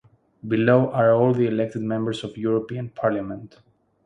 Below are all the elected members of European parliament.